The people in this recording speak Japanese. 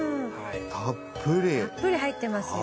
たっぷり入ってますよ。